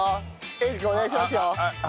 英二君お願いしますよ。